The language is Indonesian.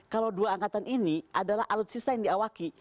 kalau dua angkatan ini adalah alutsista yang diawaki